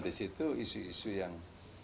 disitu isu isu yang